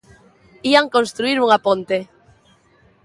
Ían construír unha ponte.